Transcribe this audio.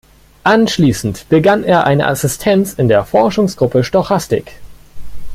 Anschließend begann er eine Assistenz in der Forschungsgruppe Stochastik.